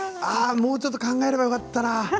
もうちょっと考えればよかったな。